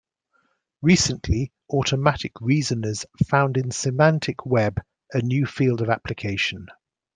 Recently automatic reasoners found in semantic web a new field of application.